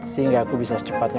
sehingga aku bisa secepatnya